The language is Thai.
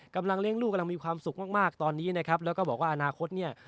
กำลังเลี้ยงลูกกำลังมีความสุขมากมากตอนนี้นะครับแล้วก็บอกว่าอนาคตเนี่ย